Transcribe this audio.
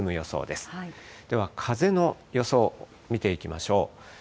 では風の予想見ていきましょう。